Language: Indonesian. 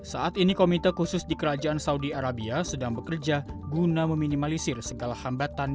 saat ini komite khusus di kerajaan saudi arabia sedang bekerja guna meminimalisir segala hambatan